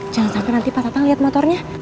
jangan sampai nanti pak tatang lihat motornya